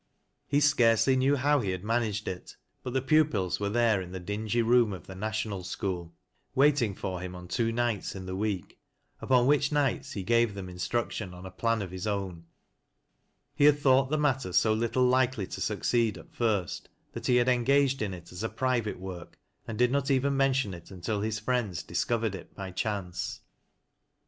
He scarcely kne\\ how he had managed it, but the pupils were there in thi dingy room of the National School, waiting for him oi. two nights in the week, upon which nights he gave there instruction on a plan of his own. He had thought the matter so little likely to succeed at first, that he had en gaged in it as a private work, and did not even mention il until his friends discovered it by chance.